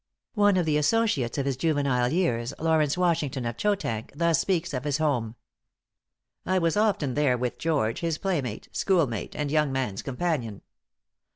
One of the associates of his juvenile years, Lawrence Washington, of Chotank, thus speaks of his home: "I was often therewith George, his playmate, schoolmate, and young man's companion.